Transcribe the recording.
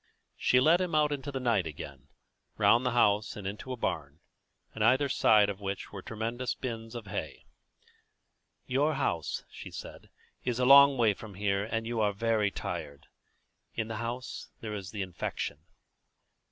She led him out into the night again, round the house and into a barn, in either side of which were tremendous bins of hay. "Your house," she said, "is a long way from here, and you are very tired. In the house here there is the infection."